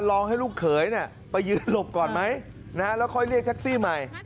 ลองให้ลูกเขยไปยืนหลบก่อนไหมแล้วค่อยเรียกแท็กซี่ใหม่